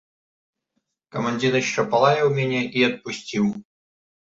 Камандзір яшчэ палаяў мяне і адпусціў.